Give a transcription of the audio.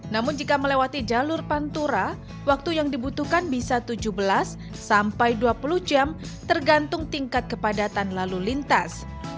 namun jika melewati jalur pantura waktu yang dibutuhkan bisa tujuh belas sampai dua puluh jam tergantung tingkat kepadatan lalu lintas